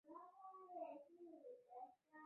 丰塔内斯人口变化图示